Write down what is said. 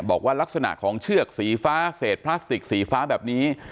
บอกว่าลักษณะของเชือกสีฟ้าเศษพลาสติกสีฟ้าแบบนี้